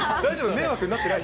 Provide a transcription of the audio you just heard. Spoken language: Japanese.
迷惑になってない？